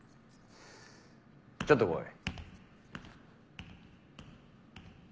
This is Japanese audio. ちょっと来い。